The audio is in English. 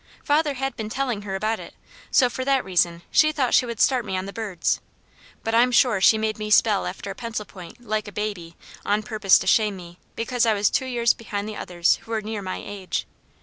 Father had been telling her about it, so for that reason she thought she would start me on the birds, but I'm sure she made me spell after a pencil point, like a baby, on purpose to shame me, because I was two years behind the others who were near my age.